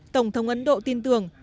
tổng thống ấn độ tin tưởng